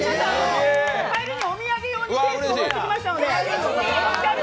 帰りにお土産用にケースを持ってきましたので。